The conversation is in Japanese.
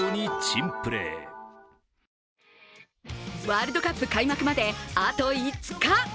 ワールドカップ開幕まであと５日。